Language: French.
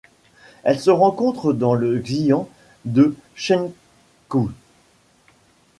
Elle se rencontre dans le xian de Chengkou.